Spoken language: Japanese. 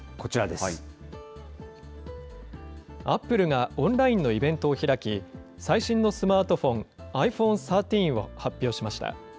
アップルが、オンラインのイベントを開き、最新のスマートフォン、ｉＰｈｏｎｅ１３を発表しました。